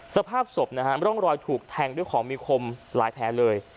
สภาพศพร่องรอยถูกแทงด้วยหมิคมรายแผลเลย